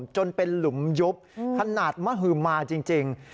จนเป็นหลุมยุบขนาดมหือมาจริง